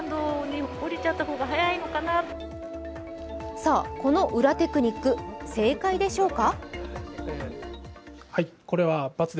さあ、この裏テクニック正解でしょうか？